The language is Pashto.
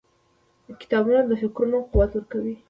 • کتابونه د فکرونو قوت ورکوي.